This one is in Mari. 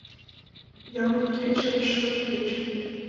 Ямле кечым, шӱлык кечым